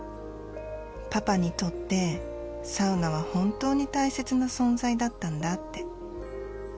パパにとってサウナは本当に大切な存在だったんだって。